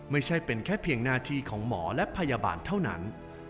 ไม่ใช่เป็นแค่เพียงหน้าที่ของหมอและพยาบาลเท่านั้น